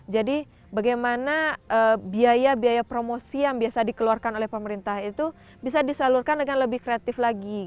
jadi bagaimana biaya biaya promosi yang biasa dikeluarkan oleh pemerintah itu bisa disalurkan dengan lebih kreatif lagi